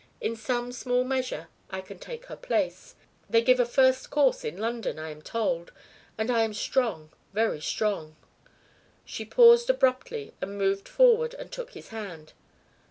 In some small measure I can take her place. They give a first course in London I am told. And I am strong, very strong." She paused abruptly and moved forward and took his hand.